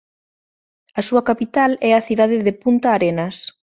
A súa capital é a cidade de Punta Arenas.